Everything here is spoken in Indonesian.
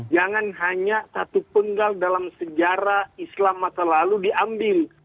jangan hanya satu penggal dalam sejarah islam masa lalu diambil